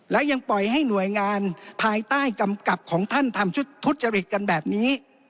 และยังปล่อยให้หน่วยงานภายใต้กำกับของท่านทำชุดทุจริตกันแบบนี้